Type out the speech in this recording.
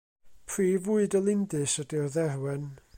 Prif fwyd y lindys ydy'r dderwen.